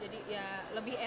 jadi ya lebih enak